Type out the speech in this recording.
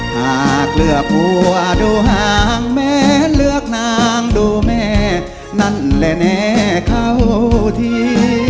หากเลือกหัวดูห่างแม่เลือกนางดูแม่นั่นแหละแน่เข้าที